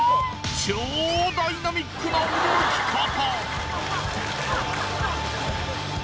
超ダイナミックな動き方